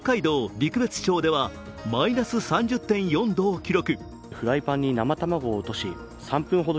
陸別町ではマイナス３０．４度を記録。